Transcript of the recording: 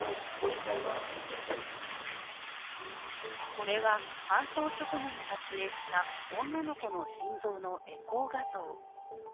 これは、搬送直後に撮影した女の子の心臓のエコー画像。